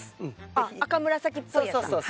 あっ赤紫っぽいやつだ。